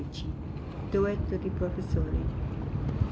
Duetto di Professori.